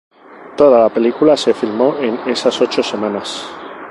Toda la película se filmó en esas ocho semanas.